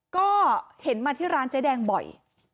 ก็เห็นมาที่ร้านเจ๊แดงบ่อย